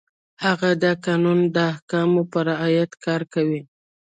هغه د قانون د احکامو په رعایت کار کوي.